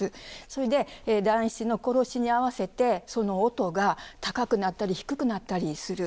それで団七の殺しに合わせてその音が高くなったり低くなったりする。